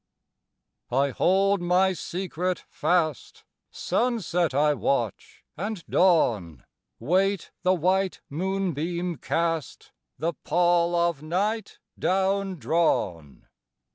I hold my secret fast! Sunset I watch, and dawn, Wait the white moonbeam cast, The pall of night down drawn.